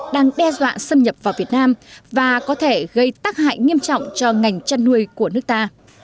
đang đe dọa xâm nhập vào việt nam và có thể gây tác hại nghiêm trọng cho ngành chăn nuôi của nước ta